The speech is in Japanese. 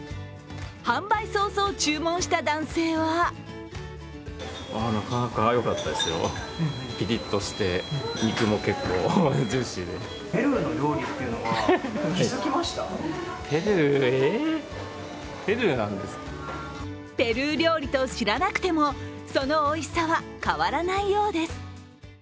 販売早々、注文した男性はペルー料理と知らなくても、そのおいしさは変わらないようです。